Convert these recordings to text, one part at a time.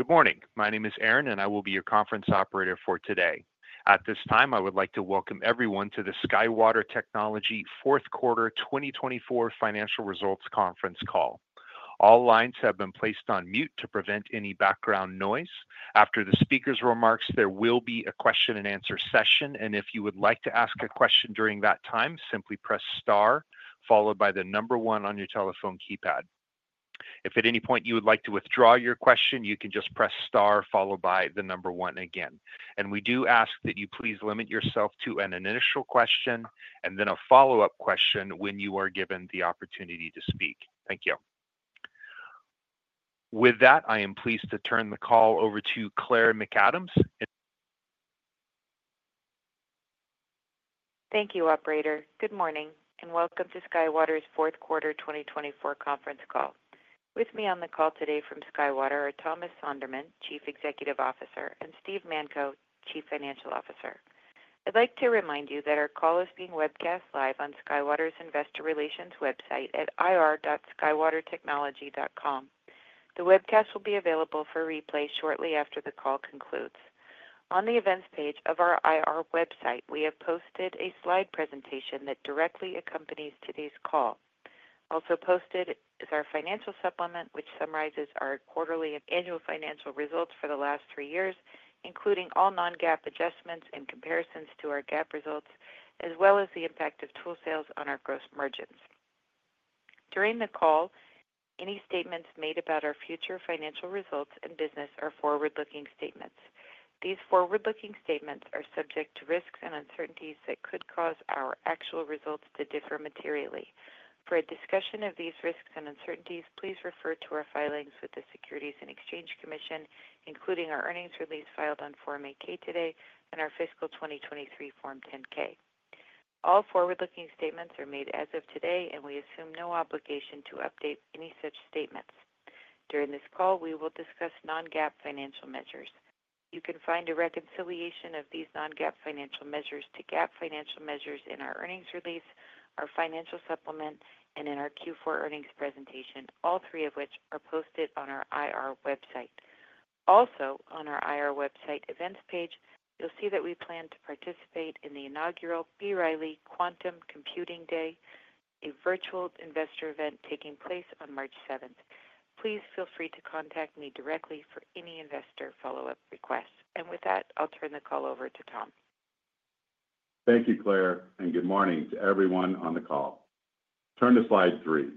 Good morning. My name is Aaron, and I will be your conference operator for today. At this time, I would like to welcome everyone to the SkyWater Technology Fourth Quarter 2024 Financial Results Conference call. All lines have been placed on mute to prevent any background noise. After the speaker's remarks, there will be a question-and-answer session, and if you would like to ask a question during that time, simply press star, followed by the number one on your telephone keypad. If at any point you would like to withdraw your question, you can just press star, followed by the number one again, and we do ask that you please limit yourself to an initial question and then a follow-up question when you are given the opportunity to speak. Thank you. With that, I am pleased to turn the call over to Claire McAdams. Thank you, Operator. Good morning and welcome to SkyWater's fourth quarter 2024 conference call. With me on the call today from SkyWater are Thomas Sonderman, Chief Executive Officer, and Steve Manko, Chief Financial Officer. I'd like to remind you that our call is being webcast live on SkyWater's investor relations website at ir.skywatertechnology.com. The webcast will be available for replay shortly after the call concludes. On the events page of our IR website, we have posted a slide presentation that directly accompanies today's call. Also posted is our financial supplement, which summarizes our quarterly and annual financial results for the last three years, including all non-GAAP adjustments and comparisons to our GAAP results, as well as the impact of tool sales on our gross margins. During the call, any statements made about our future financial results and business are forward-looking statements. These forward-looking statements are subject to risks and uncertainties that could cause our actual results to differ materially. For a discussion of these risks and uncertainties, please refer to our filings with the Securities and Exchange Commission, including our earnings release filed on Form 8-K today and our Fiscal 2023 Form 10-K. All forward-looking statements are made as of today, and we assume no obligation to update any such statements. During this call, we will discuss non-GAAP financial measures. You can find a reconciliation of these non-GAAP financial measures to GAAP financial measures in our earnings release, our financial supplement, and in our Q4 earnings presentation, all three of which are posted on our IR website. Also, on our IR website events page, you'll see that we plan to participate in the inaugural B. Riley Quantum Computing Day, a virtual investor event taking place on March 7th. Please feel free to contact me directly for any investor follow-up requests, and with that, I'll turn the call over to Tom. Thank you, Claire, and good morning to everyone on the call. Turn to slide three.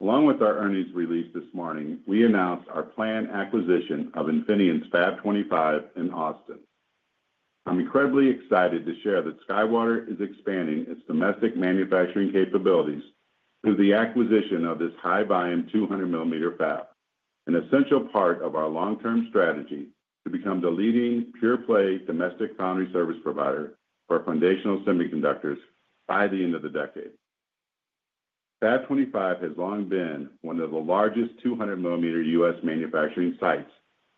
Along with our earnings release this morning, we announced our planned acquisition of Infineon's Fab 25 in Austin. I'm incredibly excited to share that SkyWater is expanding its domestic manufacturing capabilities through the acquisition of this high-volume 200-millimeter fab, an essential part of our long-term strategy to become the leading pure-play domestic foundry service provider for foundational semiconductors by the end of the decade. Fab 25 has long been one of the largest 200-millimeter U.S. manufacturing sites,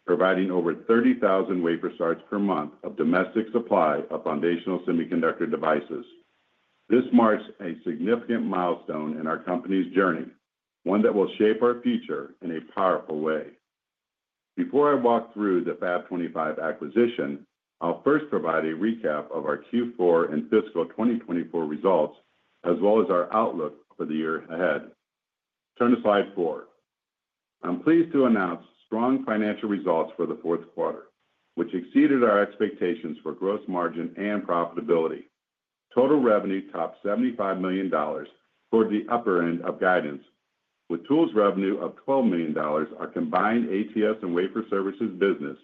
providing over 30,000 wafer starts per month of domestic supply of foundational semiconductor devices. This marks a significant milestone in our company's journey, one that will shape our future in a powerful way. Before I walk through the Fab 25 acquisition, I'll first provide a recap of our Q4 and Fiscal 2024 results, as well as our outlook for the year ahead. Turn to slide four. I'm pleased to announce strong financial results for the fourth quarter, which exceeded our expectations for gross margin and profitability. Total revenue topped $75 million toward the upper end of guidance, with tools revenue of $12 million. Our combined ATS and Wafer Services business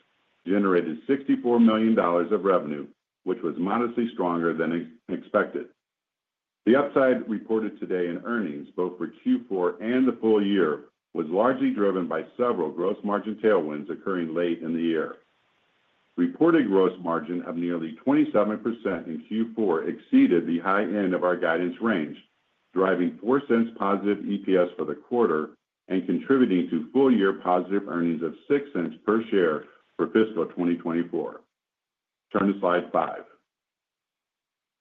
generated $64 million of revenue, which was modestly stronger than expected. The upside reported today in earnings, both for Q4 and the full year, was largely driven by several gross margin tailwinds occurring late in the year. Reported gross margin of nearly 27% in Q4 exceeded the high end of our guidance range, driving $0.04 positive EPS for the quarter and contributing to full-year positive earnings of $0.06 per share for Fiscal 2024. Turn to slide five.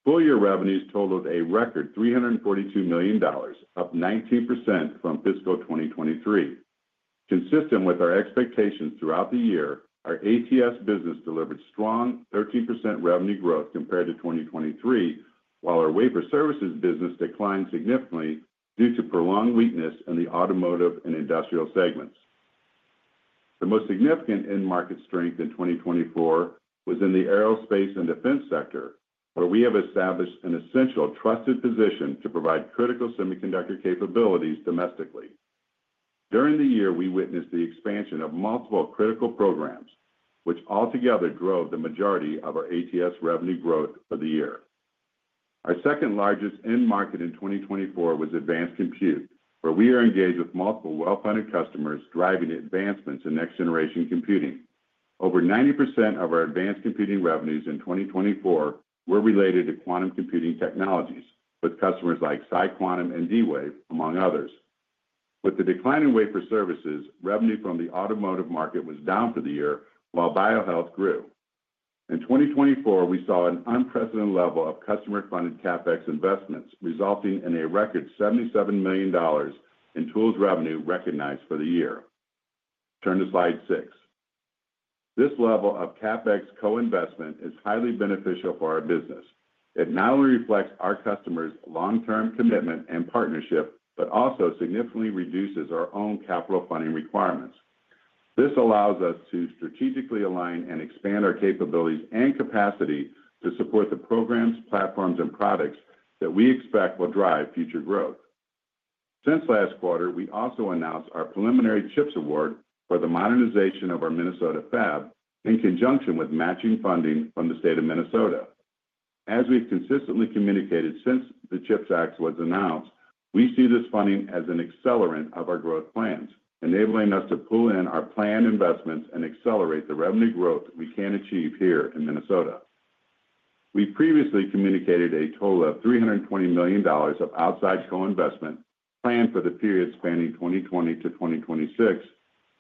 Full-year revenues totaled a record $342 million, up 19% from Fiscal 2023. Consistent with our expectations throughout the year, our ATS business delivered strong 13% revenue growth compared to 2023, while our Wafer Services business declined significantly due to prolonged weakness in the automotive and industrial segments. The most significant end-market strength in 2024 was in the aerospace and defense sector, where we have established an essential trusted position to provide critical semiconductor capabilities domestically. During the year, we witnessed the expansion of multiple critical programs, which altogether drove the majority of our ATS revenue growth for the year. Our second largest end-market in 2024 was advanced compute, where we are engaged with multiple well-funded customers driving advancements in next-generation computing. Over 90% of our advanced computing revenues in 2024 were related to quantum computing technologies, with customers like PsiQuantum and D-Wave, among others. With the decline in Wafer Services, revenue from the automotive market was down for the year, while Bio-health grew. In 2024, we saw an unprecedented level of customer-funded CapEx investments, resulting in a record $77 million in tools revenue recognized for the year. Turn to slide six. This level of CapEx co-investment is highly beneficial for our business. It not only reflects our customers' long-term commitment and partnership, but also significantly reduces our own capital funding requirements. This allows us to strategically align and expand our capabilities and capacity to support the programs, platforms, and products that we expect will drive future growth. Since last quarter, we also announced our preliminary CHIPS award for the modernization of our Minnesota fab in conjunction with matching funding from the state of Minnesota. As we've consistently communicated since the CHIPS Act was announced, we see this funding as an accelerant of our growth plans, enabling us to pull in our planned investments and accelerate the revenue growth we can achieve here in Minnesota. We previously communicated a total of $320 million of outside co-investment planned for the period spanning 2020 to 2026,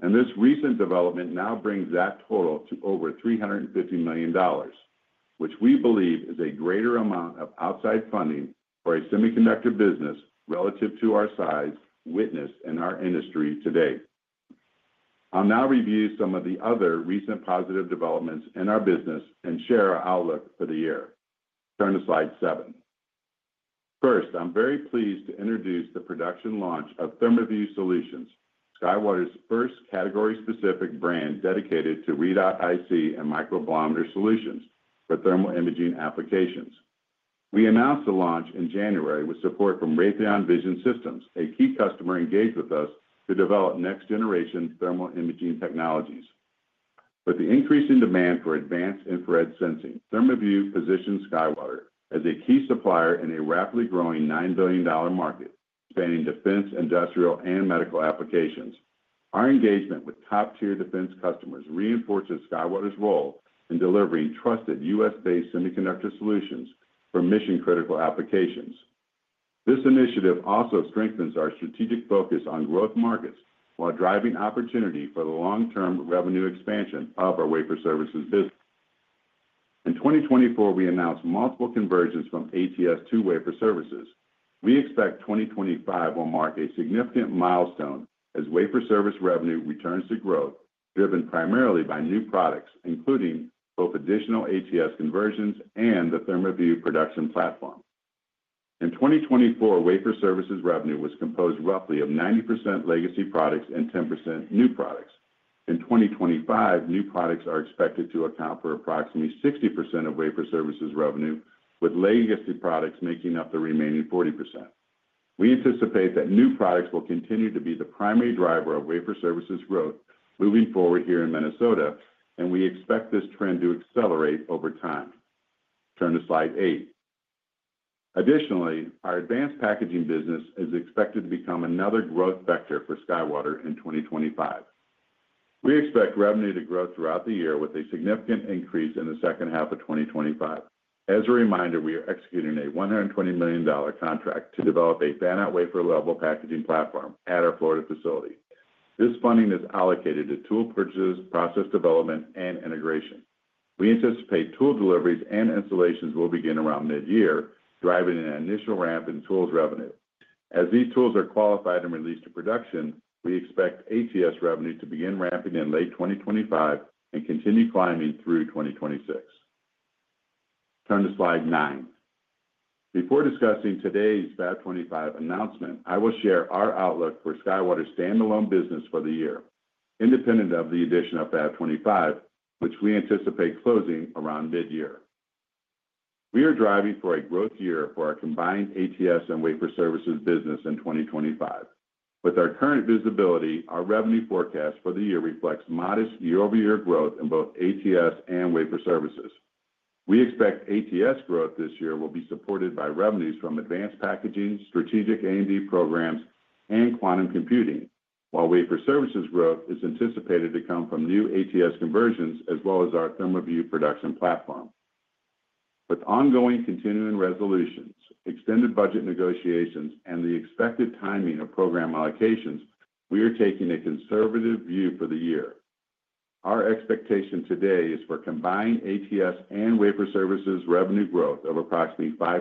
and this recent development now brings that total to over $350 million, which we believe is a greater amount of outside funding for a semiconductor business relative to our size witnessed in our industry today. I'll now review some of the other recent positive developments in our business and share our outlook for the year. Turn to slide seven. First, I'm very pleased to introduce the production launch of ThermaView Solutions, SkyWater's first category-specific brand dedicated to readout IC and microbolometer solutions for thermal imaging applications. We announced the launch in January with support from Raytheon Vision Systems, a key customer engaged with us to develop next-generation thermal imaging technologies. With the increasing demand for advanced infrared sensing, ThermaView positions SkyWater as a key supplier in a rapidly growing $9 billion market, spanning defense, industrial, and medical applications. Our engagement with top-tier defense customers reinforces SkyWater's role in delivering trusted U.S.-based semiconductor solutions for mission-critical applications. This initiative also strengthens our strategic focus on growth markets while driving opportunity for the long-term revenue expansion of our Wafer Services business. In 2024, we announced multiple conversions from ATS to Wafer Services. We expect 2025 will mark a significant milestone as wafer service revenue returns to growth, driven primarily by new products, including both additional ATS conversions and the ThermaView production platform. In 2024, Wafer Services revenue was composed roughly of 90% legacy products and 10% new products. In 2025, new products are expected to account for approximately 60% of Wafer Services revenue, with legacy products making up the remaining 40%. We anticipate that new products will continue to be the primary driver of Wafer Services growth moving forward here in Minnesota, and we expect this trend to accelerate over time. Turn to slide eight. Additionally, our advanced packaging business is expected to become another growth vector for SkyWater in 2025. We expect revenue to grow throughout the year with a significant increase in the second half of 2025. As a reminder, we are executing a $120 million contract to develop a fan-out wafer-level packaging platform at our Florida facility. This funding is allocated to tool purchases, process development, and integration. We anticipate tool deliveries and installations will begin around mid-year, driving an initial ramp in tools revenue. As these tools are qualified and released to production, we expect ATS revenue to begin ramping in late 2025 and continue climbing through 2026. Turn to slide nine. Before discussing today's Fab 25 announcement, I will share our outlook for SkyWater's standalone business for the year, independent of the addition of Fab 25, which we anticipate closing around mid-year. We are driving for a growth year for our combined ATS and Wafer Services business in 2025. With our current visibility, our revenue forecast for the year reflects modest year-over-year growth in both ATS and Wafer Services. We expect ATS growth this year will be supported by revenues from advanced packaging, strategic A&D programs, and quantum computing, while Wafer Services growth is anticipated to come from new ATS conversions as well as our ThermaView production platform. With ongoing continuing resolutions, extended budget negotiations, and the expected timing of program allocations, we are taking a conservative view for the year. Our expectation today is for combined ATS and Wafer services revenue growth of approximately 5%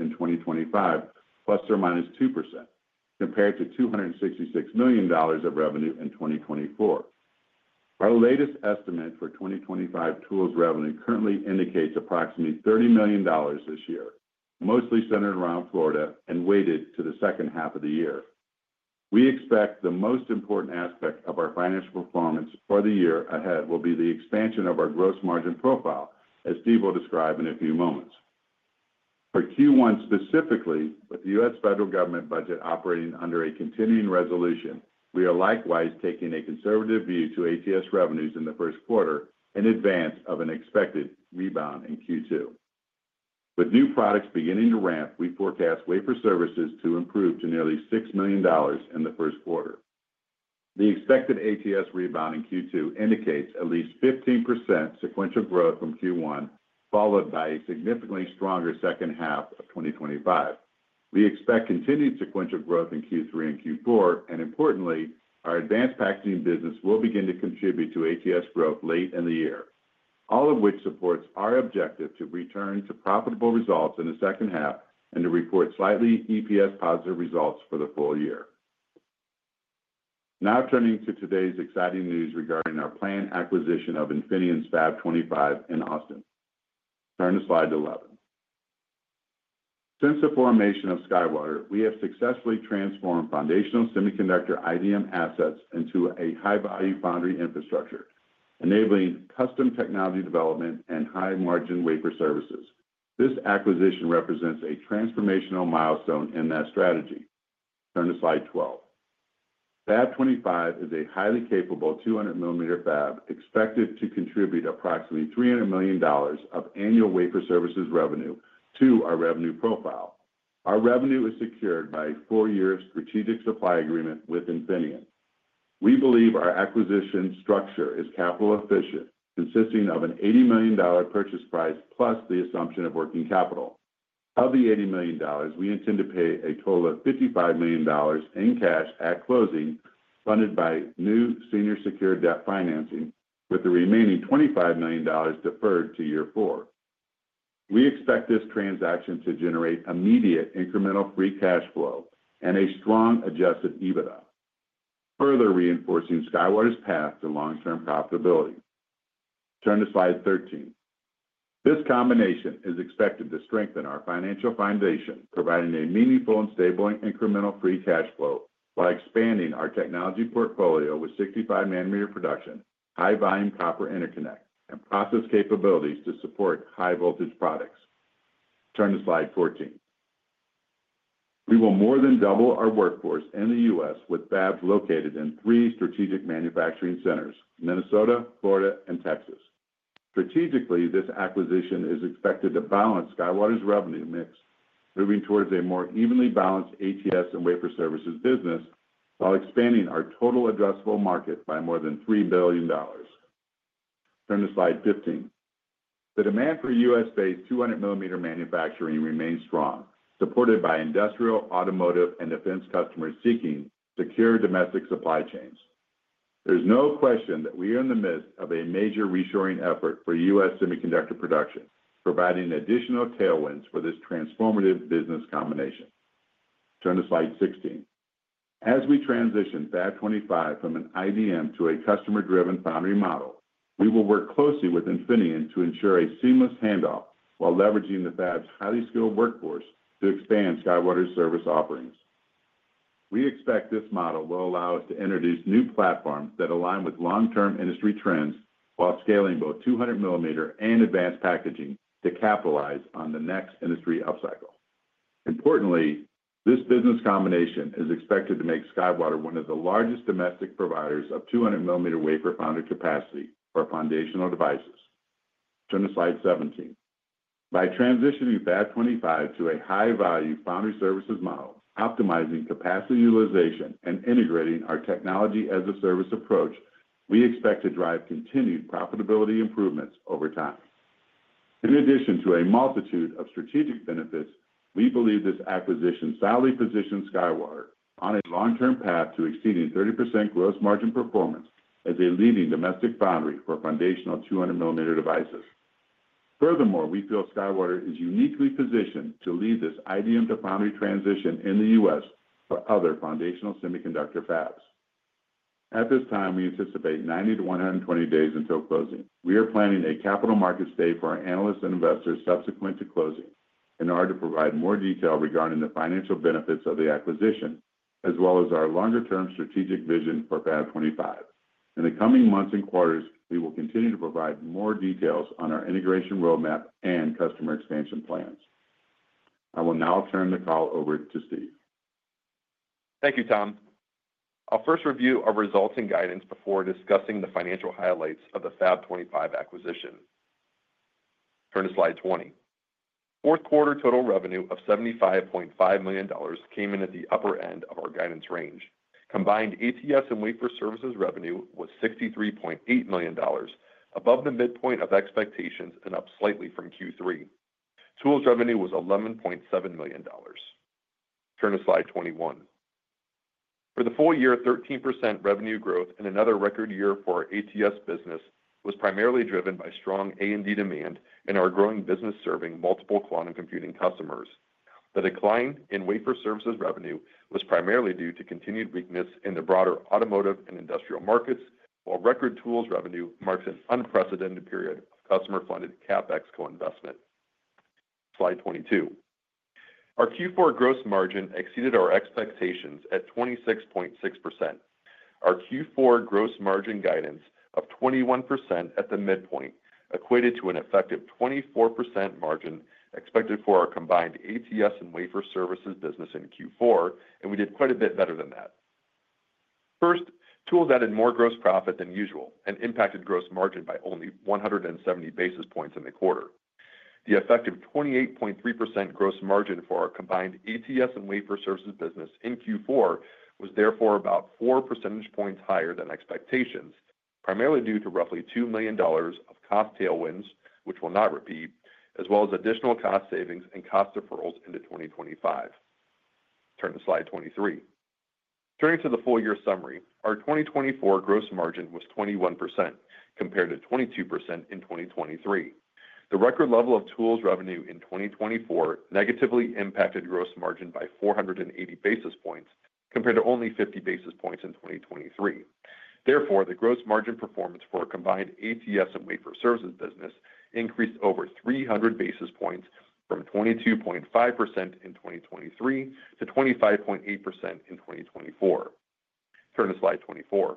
in 2025, ±2%, compared to $266 million of revenue in 2024. Our latest estimate for 2025 tools revenue currently indicates approximately $30 million this year, mostly centered around Florida and weighted to the second half of the year. We expect the most important aspect of our financial performance for the year ahead will be the expansion of our gross margin profile, as Steve will describe in a few moments. For Q1 specifically, with the U.S. federal government budget operating under a continuing resolution, we are likewise taking a conservative view to ATS revenues in the first quarter in advance of an expected rebound in Q2. With new products beginning to ramp, we forecast Wafer Services to improve to nearly $6 million in the first quarter. The expected ATS rebound in Q2 indicates at least 15% sequential growth from Q1, followed by a significantly stronger second half of 2025. We expect continued sequential growth in Q3 and Q4, and importantly, our advanced packaging business will begin to contribute to ATS growth late in the year, all of which supports our objective to return to profitable results in the second half and to report slightly EPS positive results for the full year. Now turning to today's exciting news regarding our planned acquisition of Infineon's Fab 25 in Austin. Turn to slide 11. Since the formation of SkyWater, we have successfully transformed foundational semiconductor IDM assets into a high-value foundry infrastructure, enabling custom technology development and high-margin Wafer Services. This acquisition represents a transformational milestone in that strategy. Turn to slide 12. Fab 25 is a highly capable 200-millimeter fab expected to contribute approximately $300 million of annual Wafer Services revenue to our revenue profile. Our revenue is secured by a four-year strategic supply agreement with Infineon. We believe our acquisition structure is capital efficient, consisting of an $80 million purchase price plus the assumption of working capital. Of the $80 million, we intend to pay a total of $55 million in cash at closing, funded by new senior secured debt financing, with the remaining $25 million deferred to year four. We expect this transaction to generate immediate incremental free cash flow and a strong adjusted EBITDA, further reinforcing SkyWater's path to long-term profitability. Turn to slide 13. This combination is expected to strengthen our financial foundation, providing a meaningful and stable incremental free cash flow while expanding our technology portfolio with 65nm production, high-volume copper interconnect, and process capabilities to support high-voltage products. Turn to slide 14. We will more than double our workforce in the U.S. with fabs located in three strategic manufacturing centers: Minnesota, Florida, and Texas. Strategically, this acquisition is expected to balance SkyWater's revenue mix, moving towards a more evenly balanced ATS and Wafer Services business while expanding our total addressable market by more than $3 billion. Turn to slide 15. The demand for U.S.-based 200-millimeter manufacturing remains strong, supported by industrial, automotive, and defense customers seeking secure domestic supply chains. There's no question that we are in the midst of a major reshoring effort for U.S. semiconductor production, providing additional tailwinds for this transformative business combination. Turn to slide 16. As we transition Fab 25 from an IDM to a customer-driven foundry model, we will work closely with Infineon to ensure a seamless handoff while leveraging the fab's highly skilled workforce to expand SkyWater's service offerings. We expect this model will allow us to introduce new platforms that align with long-term industry trends while scaling both 200-millimeter and advanced packaging to capitalize on the next industry upcycle. Importantly, this business combination is expected to make SkyWater one of the largest domestic providers of 200-millimeter wafer foundry capacity for foundational devices. Turn to slide 17. By transitioning Fab 25 to a high-value foundry services model, optimizing capacity utilization, and integrating our technology-as-a-service approach, we expect to drive continued profitability improvements over time. In addition to a multitude of strategic benefits, we believe this acquisition solidly positions SkyWater on a long-term path to exceeding 30% gross margin performance as a leading domestic foundry for foundational 200-millimeter devices. Furthermore, we feel SkyWater is uniquely positioned to lead this IDM-to-foundry transition in the U.S. for other foundational semiconductor fabs. At this time, we anticipate 90 to 120 days until closing. We are planning a capital markets day for our analysts and investors subsequent to closing in order to provide more detail regarding the financial benefits of the acquisition, as well as our longer-term strategic vision for Fab 25. In the coming months and quarters, we will continue to provide more details on our integration roadmap and customer expansion plans. I will now turn the call over to Steve. Thank you, Tom. I'll first review our results and guidance before discussing the financial highlights of the Fab 25 acquisition. Turn to slide 20. Fourth quarter total revenue of $75.5 million came in at the upper end of our guidance range. Combined ATS and Wafer Services revenue was $63.8 million, above the midpoint of expectations and up slightly from Q3. Tools revenue was $11.7 million. Turn to slide 21. For the full year, 13% revenue growth in another record year for our ATS business was primarily driven by strong A&D demand and our growing business serving multiple quantum computing customers. The decline in Wafer Services revenue was primarily due to continued weakness in the broader automotive and industrial markets, while record tools revenue marks an unprecedented period of customer-funded CapEx co-investment. Slide 22. Our Q4 gross margin exceeded our expectations at 26.6%. Our Q4 gross margin guidance of 21% at the midpoint equated to an effective 24% margin expected for our combined ATS and Wafer Services business in Q4, and we did quite a bit better than that. First, tools added more gross profit than usual and impacted gross margin by only 170 basis points in the quarter. The effective 28.3% gross margin for our combined ATS and Wafer Services business in Q4 was therefore about four percentage points higher than expectations, primarily due to roughly $2 million of cost tailwinds, which will not repeat, as well as additional cost savings and cost deferrals into 2025. Turn to Slide 23. Turning to the full-year summary, our 2024 gross margin was 21% compared to 22% in 2023. The record level of tools revenue in 2024 negatively impacted gross margin by 480 basis points compared to only 50 basis points in 2023. Therefore, the gross margin performance for our combined ATS and Wafer Services business increased over 300 basis points from 22.5% in 2023 to 25.8% in 2024. Turn to slide 24.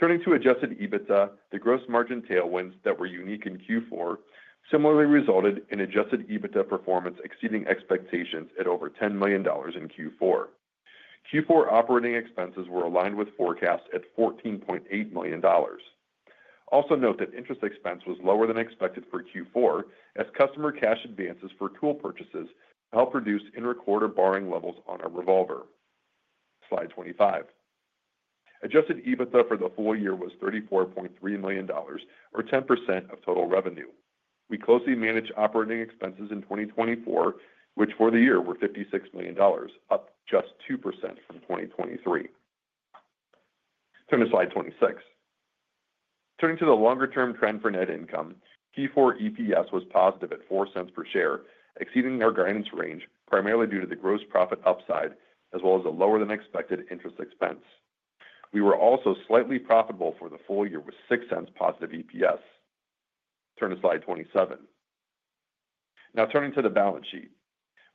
Turning to adjusted EBITDA, the gross margin tailwinds that were unique in Q4 similarly resulted in adjusted EBITDA performance exceeding expectations at over $10 million in Q4. Q4 operating expenses were aligned with forecasts at $14.8 million. Also note that interest expense was lower than expected for Q4, as customer cash advances for tool purchases helped reduce interquarter borrowing levels on our revolver. Slide 25. Adjusted EBITDA for the full year was $34.3 million, or 10% of total revenue. We closely managed operating expenses in 2024, which for the year were $56 million, up just 2% from 2023. Turn to slide 26. Turning to the longer-term trend for net income, Q4 EPS was positive at $0.04 per share, exceeding our guidance range, primarily due to the gross profit upside as well as a lower-than-expected interest expense. We were also slightly profitable for the full year with $0.06 positive EPS. Turn to slide 27. Now turning to the balance sheet.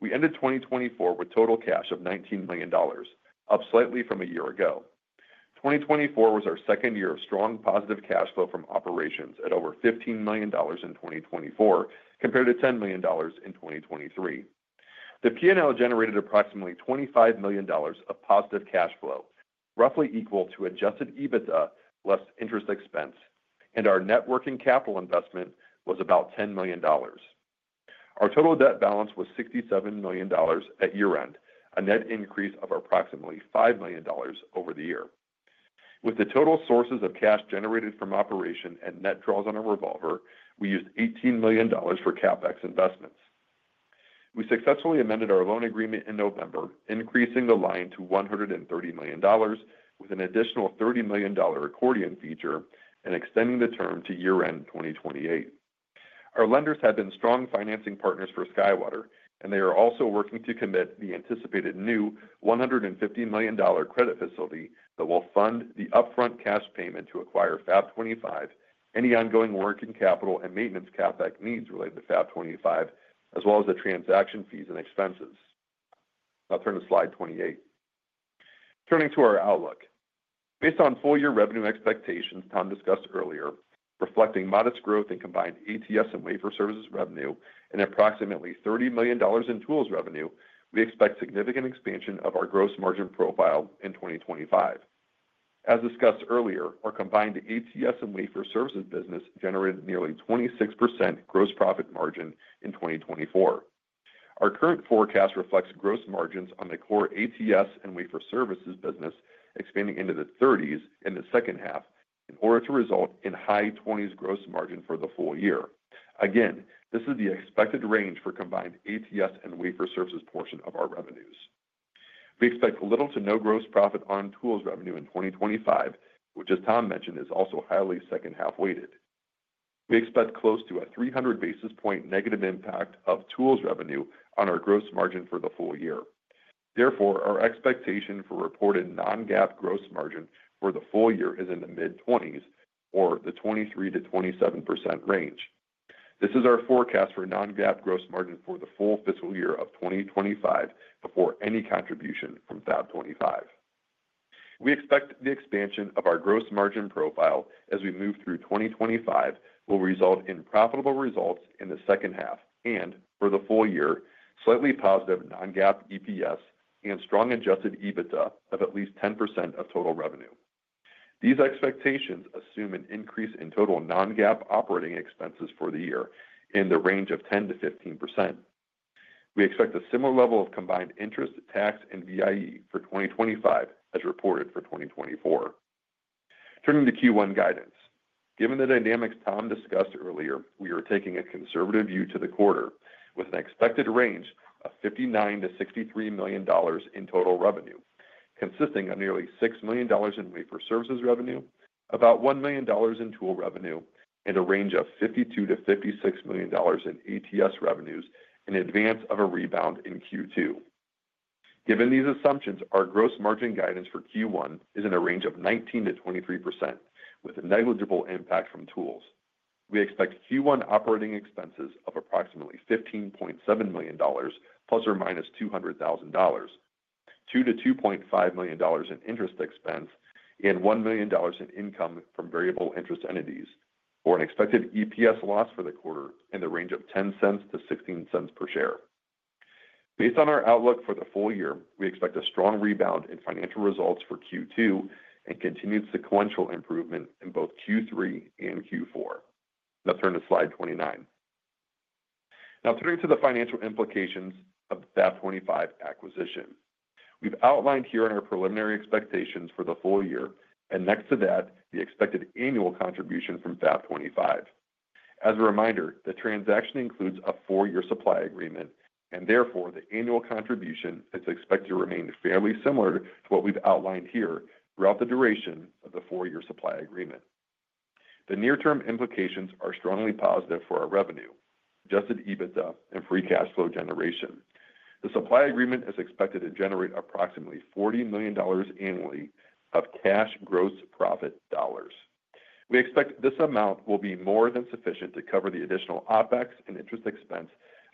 We ended 2024 with total cash of $19 million, up slightly from a year ago. 2024 was our second year of strong positive cash flow from operations at over $15 million in 2024 compared to $10 million in 2023. The P&L generated approximately $25 million of positive cash flow, roughly equal to adjusted EBITDA less interest expense, and our net working capital investment was about $10 million. Our total debt balance was $67 million at year-end, a net increase of approximately $5 million over the year. With the total sources of cash generated from operations and net draws on our revolver, we used $18 million for CapEx investments. We successfully amended our loan agreement in November, increasing the line to $130 million with an additional $30 million accordion feature and extending the term to year-end 2028. Our lenders have been strong financing partners for SkyWater, and they are also working to commit the anticipated new $150 million credit facility that will fund the upfront cash payment to acquire Fab 25, any ongoing working capital and maintenance CapEx needs related to Fab 25, as well as the transaction fees and expenses. I'll turn to slide 28. Turning to our outlook. Based on full-year revenue expectations Tom discussed earlier, reflecting modest growth in combined ATS and Wafer Services revenue and approximately $30 million in tools revenue, we expect significant expansion of our gross margin profile in 2025. As discussed earlier, our combined ATS and Wafer Services business generated nearly 26% gross profit margin in 2024. Our current forecast reflects gross margins on the core ATS and Wafer Services business expanding into the 30s in the second half in order to result in high 20s gross margin for the full year. Again, this is the expected range for combined ATS and Wafer Services portion of our revenues. We expect little to no gross profit on tools revenue in 2025, which, as Tom mentioned, is also highly second-half weighted. We expect close to a 300 basis point negative impact of tools revenue on our gross margin for the full year. Therefore, our expectation for reported non-GAAP gross margin for the full year is in the mid-20s or the 23%-27% range. This is our forecast for non-GAAP gross margin for the full fiscal year of 2025 before any contribution from Fab 25. We expect the expansion of our gross margin profile as we move through 2025 will result in profitable results in the second half and, for the full year, slightly positive non-GAAP EPS and strong adjusted EBITDA of at least 10% of total revenue. These expectations assume an increase in total non-GAAP operating expenses for the year in the range of 10%-15%. We expect a similar level of combined interest, tax, and VIE for 2025 as reported for 2024. Turning to Q1 guidance. Given the dynamics Tom discussed earlier, we are taking a conservative view to the quarter with an expected range of $59-$63 million in total revenue, consisting of nearly $6 million in Wafer Services revenue, about $1 million in tool revenue, and a range of $52-$56 million in ATS revenues in advance of a rebound in Q2. Given these assumptions, our gross margin guidance for Q1 is in a range of 19%-23%, with a negligible impact from tools. We expect Q1 operating expenses of approximately $15.7 million ±$200,000, $2-$2.5 million in interest expense, and $1 million in income from variable interest entities, or an expected EPS loss for the quarter in the range of $0.10-$0.16 per share. Based on our outlook for the full year, we expect a strong rebound in financial results for Q2 and continued sequential improvement in both Q3 and Q4. Now turn to slide 29. Now turning to the financial implications of the Fab 25 acquisition. We've outlined here our preliminary expectations for the full year and next to that, the expected annual contribution from Fab 25. As a reminder, the transaction includes a four-year supply agreement, and therefore the annual contribution is expected to remain fairly similar to what we've outlined here throughout the duration of the four-year supply agreement. The near-term implications are strongly positive for our revenue, adjusted EBITDA, and free cash flow generation. The supply agreement is expected to generate approximately $40 million annually of cash gross profit dollars. We expect this amount will be more than sufficient to cover the additional OpEx and interest expense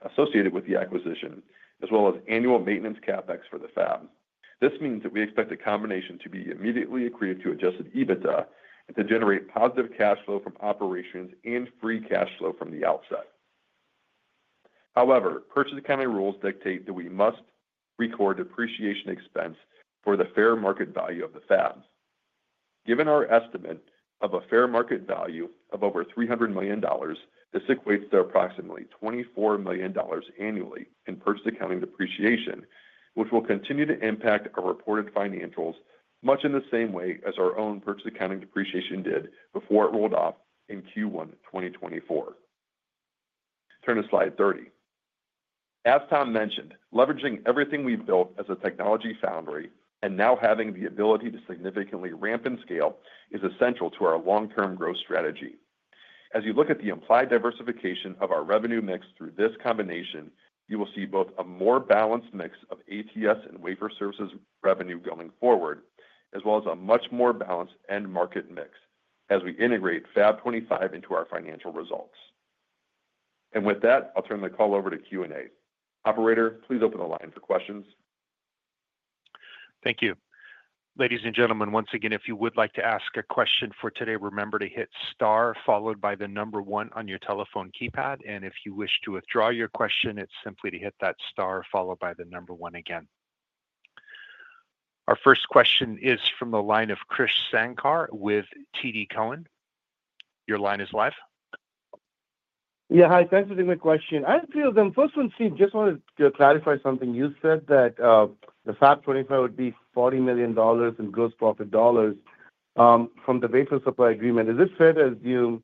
associated with the acquisition, as well as annual maintenance CapEx for the fab. This means that we expect the combination to be immediately accretive to adjusted EBITDA and to generate positive cash flow from operations and free cash flow from the outset. However, purchase accounting rules dictate that we must record depreciation expense for the fair market value of the fab. Given our estimate of a fair market value of over $300 million, this equates to approximately $24 million annually in purchase accounting depreciation, which will continue to impact our reported financials much in the same way as our own purchase accounting depreciation did before it rolled off in Q1 2024. Turn to slide 30. As Tom mentioned, leveraging everything we built as a technology foundry and now having the ability to significantly ramp and scale is essential to our long-term growth strategy. As you look at the implied diversification of our revenue mix through this combination, you will see both a more balanced mix of ATS and Wafer Services revenue going forward, as well as a much more balanced end market mix as we integrate Fab 25 into our financial results. And with that, I'll turn the call over to Q&A. Operator, please open the line for questions. Thank you. Ladies and gentlemen, once again, if you would like to ask a question for today, remember to hit star followed by the number one on your telephone keypad. And if you wish to withdraw your question, it's simply to hit that star followed by the number one again. Our first question is from the line of Krish Sankar with TD Cowen. Your line is live. Yeah, hi. Thanks for the question. I have a few of them. First one's Steve. Just wanted to clarify something. You said that the Fab 25 would be $40 million in gross profit dollars from the wafer supply agreement. Is it fair to assume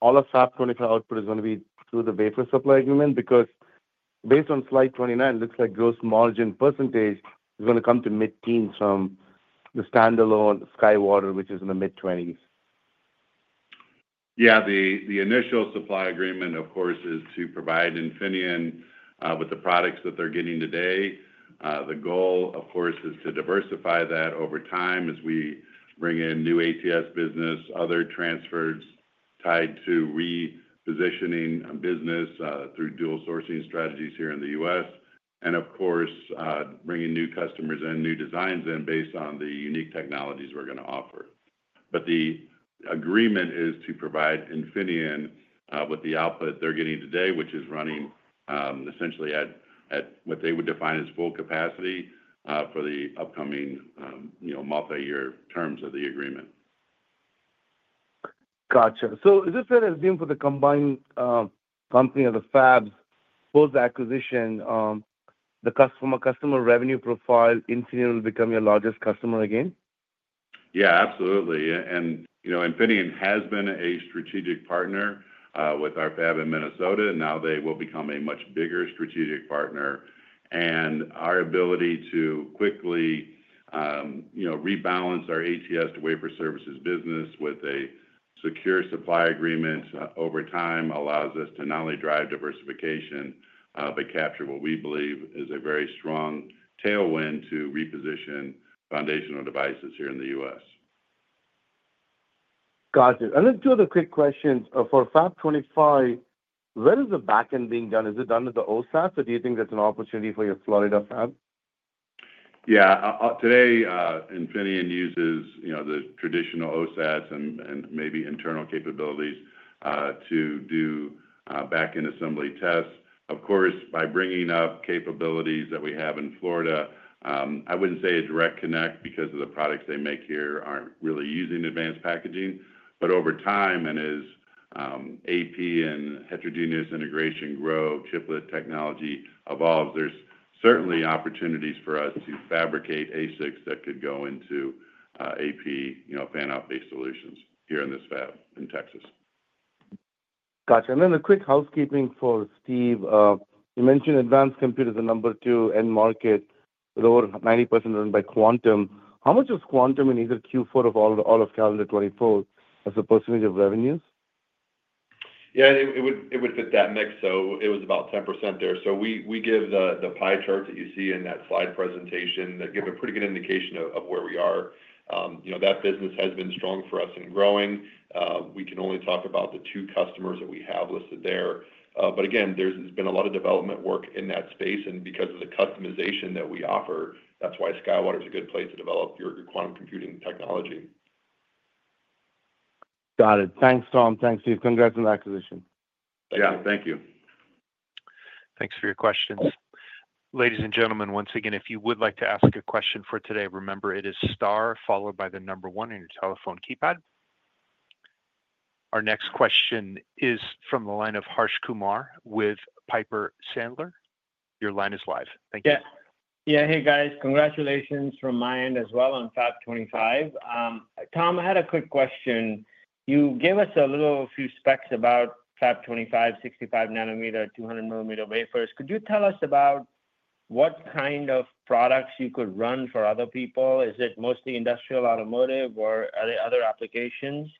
all of Fab 25 output is going to be through the wafer supply agreement? Because based on slide 29, it looks like gross margin percentage is going to come to mid-teens% from the standalone SkyWater, which is in the mid-20s%. Yeah, the initial supply agreement, of course, is to provide Infineon with the products that they're getting today. The goal, of course, is to diversify that over time as we bring in new ATS business, other transfers tied to repositioning business through dual sourcing strategies here in the U.S., and of course, bringing new customers and new designs in based on the unique technologies we're going to offer. But the agreement is to provide Infineon with the output they're getting today, which is running essentially at what they would define as full capacity for the upcoming multi-year terms of the agreement. Gotcha. So is it fair to assume for the combined company of the fabs, post-acquisition, the customer revenue profile, Infineon will become your largest customer again? Yeah, absolutely. And Infineon has been a strategic partner with our fab in Minnesota, and now they will become a much bigger strategic partner. And our ability to quickly rebalance our ATS to Wafer Services business with a secure supply agreement over time allows us to not only drive diversification, but capture what we believe is a very strong tailwind to reposition foundational devices here in the U.S. Gotcha. And then two other quick questions. For Fab 25, where is the backend being done? Is it done at the OSATs, or do you think that's an opportunity for your Florida fab? Yeah, today Infineon uses the traditional OSATs and maybe internal capabilities to do backend assembly tests. Of course, by bringing up capabilities that we have in Florida, I wouldn't say a direct connect because the products they make here aren't really using advanced packaging. But over time, and as AP and heterogeneous integration grow, chiplet technology evolves, there's certainly opportunities for us to fabricate ASICs that could go into AP fan-out-based solutions here in this fab in Texas. Gotcha. And then a quick housekeeping for Steve. You mentioned advanced computers are number two end market, but over 90% run by Quantum. How much is Quantum in either Q4 or all of calendar 2024 as a percentage of revenues? Yeah, it would fit that mix. So it was about 10% there. So we give the pie chart that you see in that slide presentation that gives a pretty good indication of where we are. That business has been strong for us and growing. We can only talk about the two customers that we have listed there. But again, there's been a lot of development work in that space, and because of the customization that we offer, that's why SkyWater is a good place to develop your quantum computing technology. Got it. Thanks, Tom. Thanks, Steve. Congrats on the acquisition. Yeah, thank you. Thanks for your questions. Ladies and gentlemen, once again, if you would like to ask a question for today, remember it is star followed by the number one in your telephone keypad. Our next question is from the line of Harsh Kumar with Piper Sandler. Your line is live. Thank you. Yeah, hey, guys. Congratulations from my end as well on Fab 25. Tom, I had a quick question. You gave us a little few specs about Fab 25, 65 nm, 200 mm wafers. Could you tell us about what kind of products you could run for other people? Is it mostly industrial automotive, or are there other applications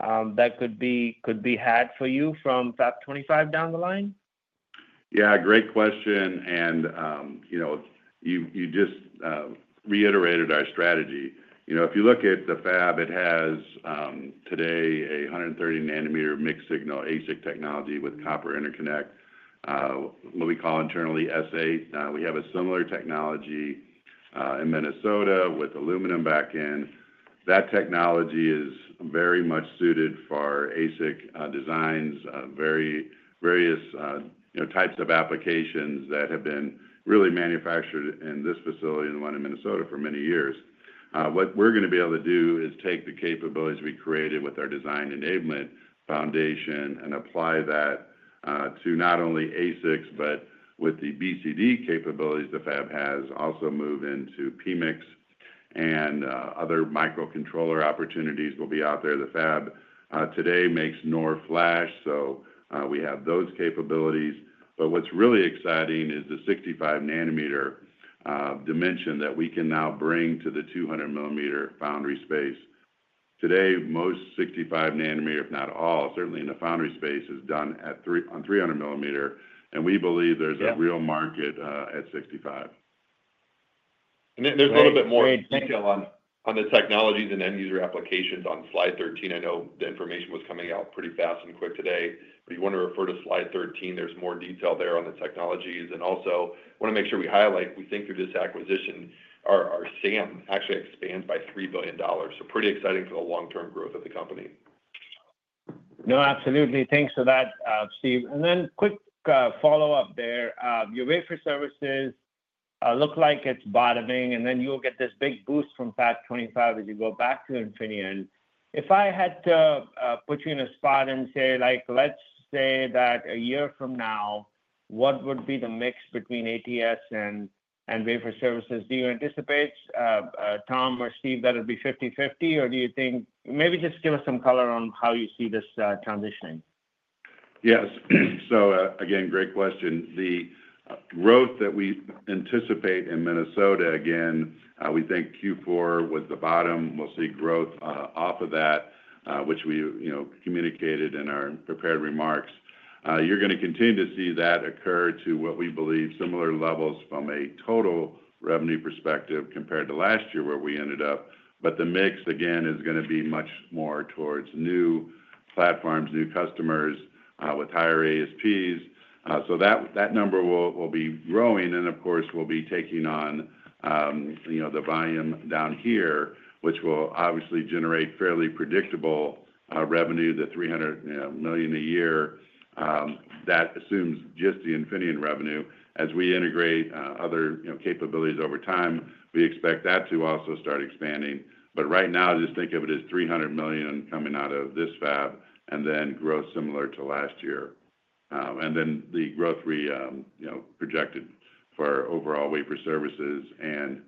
that could be had for you from Fab 25 down the line? Yeah, great question. And you just reiterated our strategy. If you look at the fab, it has today a 130-nm mixed-signal ASIC technology with copper interconnect, what we call internally S8. We have a similar technology in Minnesota with aluminum backend. That technology is very much suited for ASIC designs, various types of applications that have been really manufactured in this facility and one in Minnesota for many years. What we're going to be able to do is take the capabilities we created with our design enablement foundation and apply that to not only ASICs, but with the BCD capabilities the fab has, also move into PMIC and other microcontroller opportunities will be out there. The fab today makes NOR flash, so we have those capabilities. But what's really exciting is the 65 nm dimension that we can now bring to the 200 millimeter foundry space. Today, most 65 nm, if not all, certainly in the foundry space, is done on 300 mm, and we believe there's a real market at 65. And there's a little bit more detail on the technologies and end user applications on slide 13. I know the information was coming out pretty fast and quick today, but if you want to refer to slide 13, there's more detail there on the technologies. And also, I want to make sure we highlight, we think through this acquisition, our SAM actually expands by $3 billion. So pretty exciting for the long-term growth of the company. No, absolutely. Thanks for that, Steve. And then quick follow-up there. Your Wafer Services look like it's bottoming, and then you'll get this big boost from Fab 25 as you go back to Infineon. If I had to put you in a spot and say, let's say that a year from now, what would be the mix between ATS and Wafer Services? Do you anticipate, Tom or Steve, that it'd be 50/50, or do you think maybe just give us some color on how you see this transitioning? Yes. So again, great question. The growth that we anticipate in Minnesota, again, we think Q4 was the bottom. We'll see growth off of that, which we communicated in our prepared remarks. You're going to continue to see that occur to what we believe similar levels from a total revenue perspective compared to last year where we ended up. But the mix, again, is going to be much more towards new platforms, new customers with higher ASPs. So that number will be growing, and of course, we'll be taking on the volume down here, which will obviously generate fairly predictable revenue, the $300 million a year. That assumes just the Infineon revenue. As we integrate other capabilities over time, we expect that to also start expanding. But right now, just think of it as $300 million coming out of this fab and then growth similar to last year. And then the growth we projected for overall Wafer Services and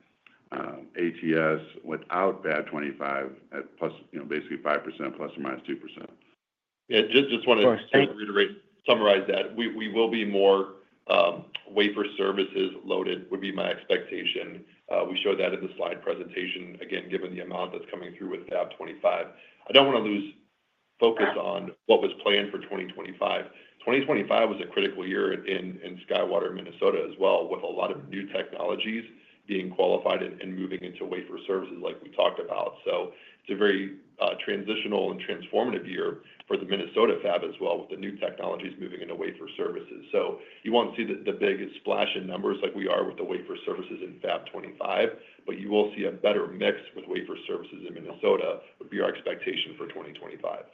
ATS without Fab 25 at basically 5% ±2%. Yeah, just wanted to reiterate, summarize that. We will be more Wafer Services loaded would be my expectation. We showed that in the slide presentation, again, given the amount that's coming through with Fab 25. I don't want to lose focus on what was planned for 2025. 2025 was a critical year in SkyWater, Minnesota, as well, with a lot of new technologies being qualified and moving into Wafer Services like we talked about. So it's a very transitional and transformative year for the Minnesota fab as well, with the new technologies moving into Wafer Services. So you won't see the big splash in numbers like we are with the Wafer Services in Fab 25, but you will see a better mix with Wafer Services in Minnesota, would be our expectation for 2025.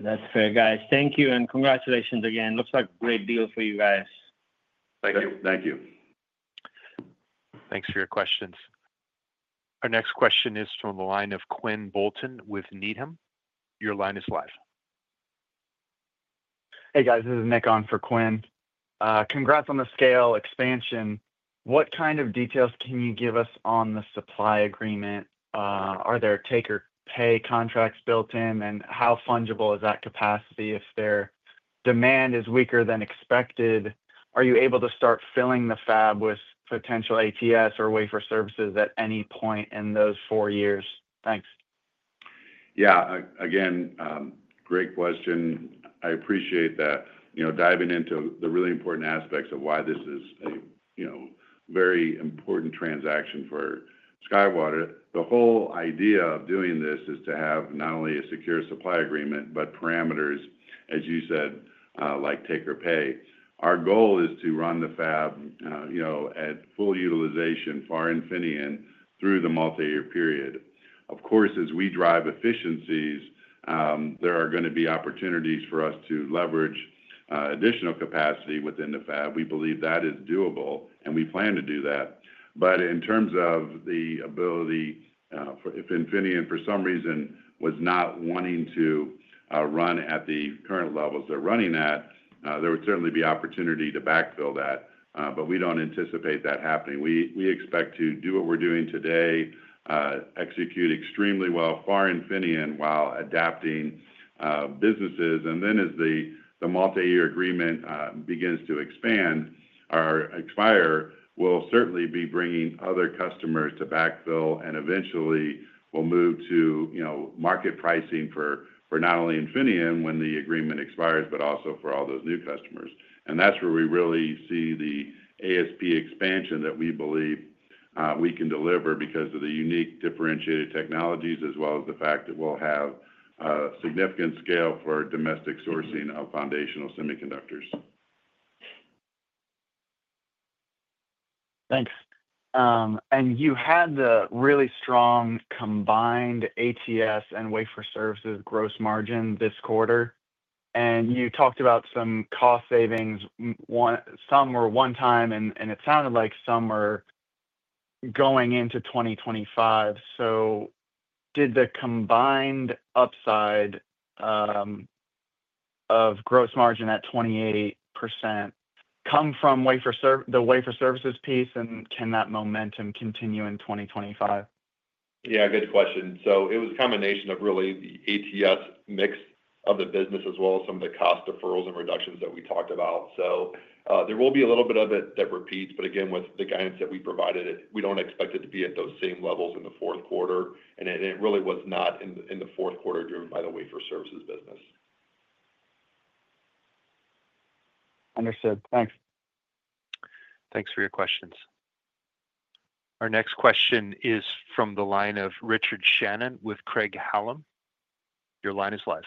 That's fair, guys. Thank you, and congratulations again. Looks like a great deal for you guys. Thank you. Thank you. Thanks for your questions. Our next question is from the line of Quinn Bolton with Needham. Your line is live. Hey, guys. This is Nick on for Quinn. Congrats on the scale expansion. What kind of details can you give us on the supply agreement? Are there take-or-pay contracts built in, and how fungible is that capacity if their demand is weaker than expected? Are you able to start filling the fab with potential ATS or Wafer Services at any point in those four years? Thanks. Yeah, again, great question. I appreciate that. Diving into the really important aspects of why this is a very important transaction for SkyWater, the whole idea of doing this is to have not only a secure supply agreement, but parameters, as you said, like take-or-pay. Our goal is to run the fab at full utilization for Infineon through the multi-year period. Of course, as we drive efficiencies, there are going to be opportunities for us to leverage additional capacity within the fab. We believe that is doable, and we plan to do that, but in terms of the ability, if Infineon, for some reason, was not wanting to run at the current levels they're running at, there would certainly be opportunity to backfill that, but we don't anticipate that happening. We expect to do what we're doing today, execute extremely well for Infineon while adapting businesses, and then, as the multi-year agreement begins to expand, our expertise will certainly be bringing other customers to backfill, and eventually, we'll move to market pricing for not only Infineon when the agreement expires, but also for all those new customers, and that's where we really see the ASP expansion that we believe we can deliver because of the unique differentiated technologies, as well as the fact that we'll have significant scale for domestic sourcing of foundational semiconductors. Thanks. And you had the really strong combined ATS and Wafer Services gross margin this quarter. And you talked about some cost savings. Some were one time, and it sounded like some were going into 2025. So did the combined upside of gross margin at 28% come from the Wafer Services piece, and can that momentum continue in 2025? Yeah, good question. So it was a combination of really the ATS mix of the business, as well as some of the cost deferrals and reductions that we talked about. So there will be a little bit of it that repeats, but again, with the guidance that we provided, we don't expect it to be at those same levels in the fourth quarter. And it really was not in the fourth quarter driven by the Wafer Services business. Understood. Thanks. Thanks for your questions. Our next question is from the line of Richard Shannon with Craig-Hallum. Your line is live.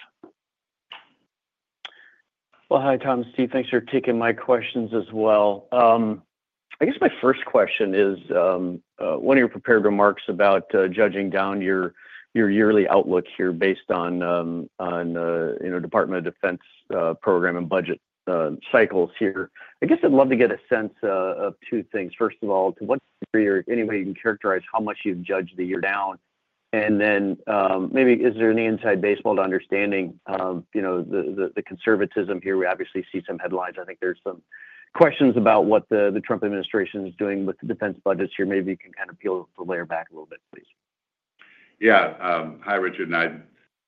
Well, hi, Tom. Steve, thanks for taking my questions as well. I guess my first question is one of your prepared remarks about jogging down your yearly outlook here based on the Department of Defense program and budget cycles here. I guess I'd love to get a sense of two things. First of all, to what degree or any way you can characterize how much you've jogged the year down? And then maybe, is there any inside baseball to understanding the conservatism here? We obviously see some headlines. I think there's some questions about what the Trump administration is doing with the defense budgets here. Maybe you can kind of peel the layer back a little bit, please. Yeah. Hi, Richard. I,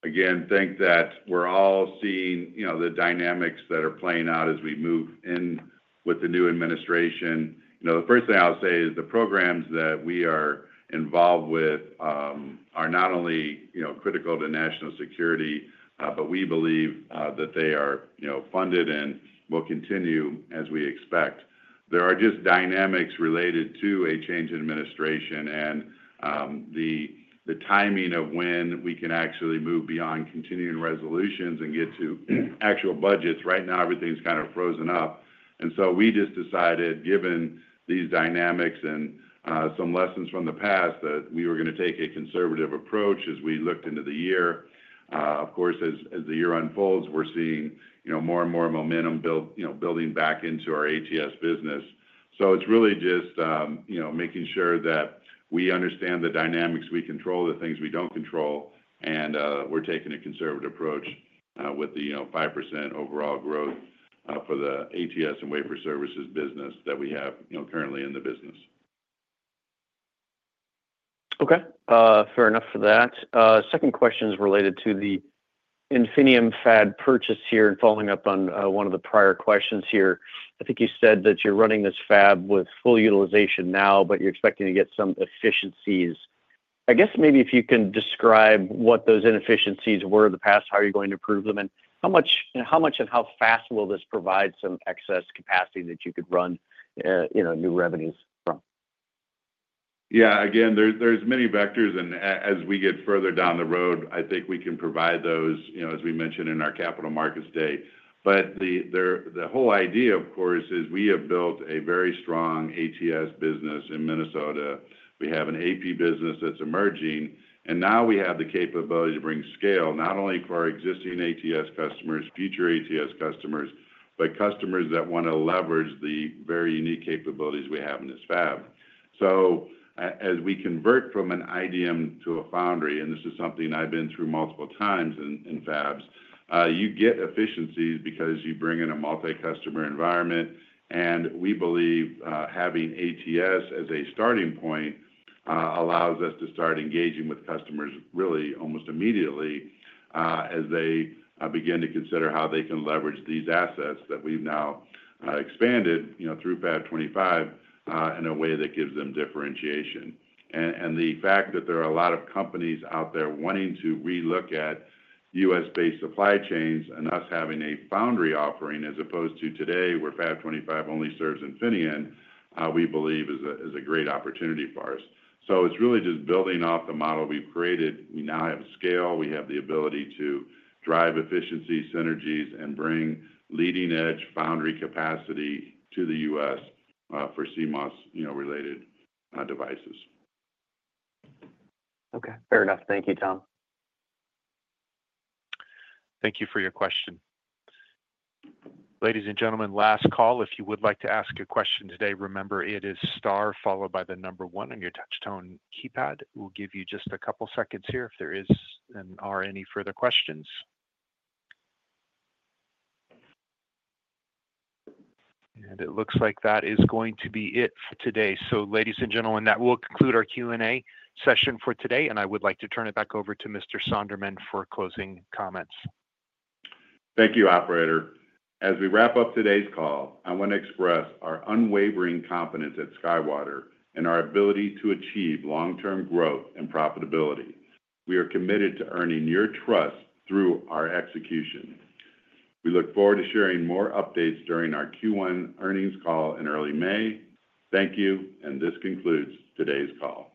again, think that we're all seeing the dynamics that are playing out as we move in with the new administration. The first thing I'll say is the programs that we are involved with are not only critical to national security, but we believe that they are funded and will continue as we expect. There are just dynamics related to a change in administration and the timing of when we can actually move beyond continuing resolutions and get to actual budgets. Right now, everything's kind of frozen up. We just decided, given these dynamics and some lessons from the past, that we were going to take a conservative approach as we looked into the year. Of course, as the year unfolds, we're seeing more and more momentum building back into our ATS business. So it's really just making sure that we understand the dynamics. We control the things we don't control, and we're taking a conservative approach with the 5% overall growth for the ATS and Wafer Services business that we have currently in the business. Okay. Fair enough for that. Second question is related to the Infineon fab purchase here and following up on one of the prior questions here. I think you said that you're running this fab with full utilization now, but you're expecting to get some efficiencies. I guess maybe if you can describe what those inefficiencies were in the past, how you're going to prove them, and how much and how fast will this provide some excess capacity that you could run new revenues from? Yeah. Again, there's many vectors, and as we get further down the road, I think we can provide those, as we mentioned in our capital markets day. But the whole idea, of course, is we have built a very strong ATS business in Minnesota. We have an AP business that's emerging, and now we have the capability to bring scale not only for our existing ATS customers, future ATS customers, but customers that want to leverage the very unique capabilities we have in this fab. So as we convert from an IDM to a foundry, and this is something I've been through multiple times in fabs, you get efficiencies because you bring in a multi-customer environment. And we believe having ATS as a starting point allows us to start engaging with customers really almost immediately as they begin to consider how they can leverage these assets that we've now expanded through Fab 25 in a way that gives them differentiation. And the fact that there are a lot of companies out there wanting to relook at U.S.-based supply chains and us having a foundry offering as opposed to today where Fab 25 only serves Infineon, we believe is a great opportunity for us. So it's really just building off the model we've created. We now have scale. We have the ability to drive efficiencies, synergies, and bring leading-edge foundry capacity to the U.S. for CMOS-related devices. Okay. Fair enough. Thank you, Tom. Thank you for your question. Ladies and gentlemen, last call. If you would like to ask a question today, remember it is star followed by the number one on your touchtone keypad. We'll give you just a couple of seconds here if there are any further questions, and it looks like that is going to be it for today, so ladies and gentlemen, that will conclude our Q&A session for today, and I would like to turn it back over to Mr. Sonderman for closing comments. Thank you, Operator. As we wrap up today's call, I want to express our unwavering confidence at SkyWater and our ability to achieve long-term growth and profitability. We are committed to earning your trust through our execution. We look forward to sharing more updates during our Q1 earnings call in early May. Thank you, and this concludes today's call.